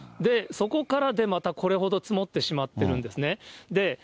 そこからでまたこれほど積もってしまっているんですね。